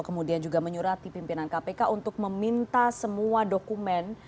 kemudian juga menyurati pimpinan kpk untuk meminta semua dokumen